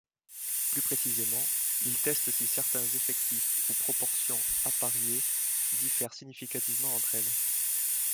Plus précisément, il teste si certains effectifs ou proportions appariées diffèrent significativement entre elles.